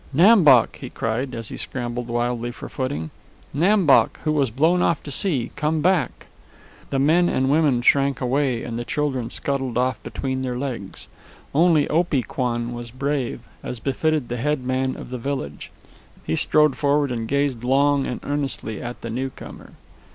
"Nam Bok!" he cried, as he scrambled wildly for footing. "Nam Bok, who was blown off to sea, come back!" The men and women shrank away, and the children scuttled off between their legs. Only Opee Kwan was brave, as befitted the head man of the village. He strode forward and gazed long and earnestly at the newcomer.